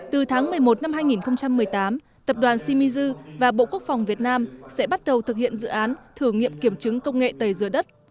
từ tháng một mươi một năm hai nghìn một mươi tám tập đoàn shimizu và bộ quốc phòng việt nam sẽ bắt đầu thực hiện dự án thử nghiệm kiểm chứng công nghệ tẩy dừa đất